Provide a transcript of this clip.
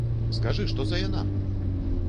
Скажы, што за яна!